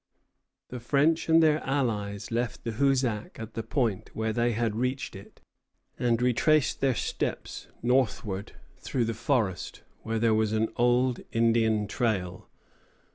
The French and their allies left the Hoosac at the point where they had reached it, and retraced their steps northward through the forest, where there was an old Indian trail.